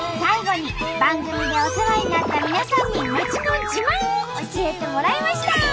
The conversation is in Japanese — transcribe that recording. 最後に番組でお世話になった皆さんに町の自慢を教えてもらいました！